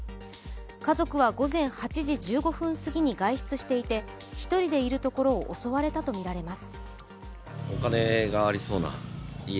家族は午前８時１５分すぎに外出していて、１人でいるところを襲われたとみられます。